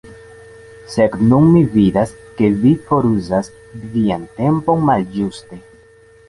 Sed nun mi vidas ke vi foruzas vian tempon malĝuste.